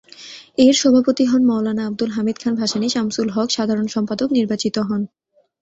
এর সভাপতি হন মওলানা আবদুল হামিদ খান ভাসানী, শামসুল হক সাধারণ সম্পাদক নির্বাচিত হন।